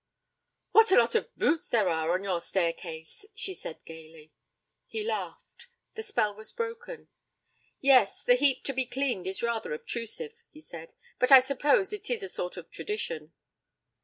'What a lot of boots there are on your staircase!' she said gaily. He laughed. The spell was broken. 'Yes, the heap to be cleaned is rather obtrusive,' he said, 'but I suppose it is a sort of tradition.'